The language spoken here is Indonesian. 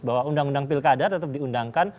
bahwa undang undang pilkada tetap diundangkan